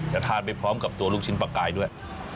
แล้วทานไปพร้อมกับตัวลูกชิ้นปลากายด้วย